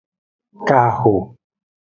Kaho.